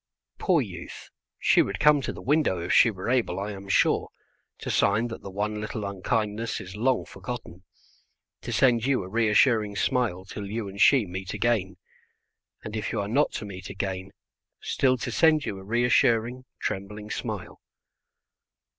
Poor youth, she would come to the window if she were able, I am sure, to sign that the one little unkindness is long forgotten, to send you a reassuring smile till you and she meet again; and, if you are not to meet again, still to send you a reassuring, trembling smile.